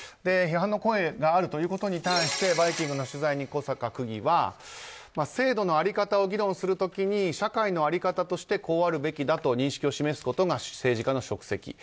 批判の声があるということに対して「バイキング」の取材に小坂区議は制度の在り方を議論する時に社会の在り方としてこうあるべきだと認識を示すことが政治家の職責。